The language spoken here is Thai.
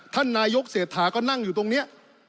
ท่านนายกเศรษฐาก็นั่งอยู่ตรงนี้